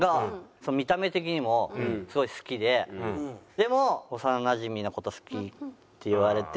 でも幼なじみの事好きって言われて。